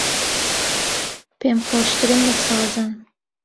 پێم خۆشترن لە سازان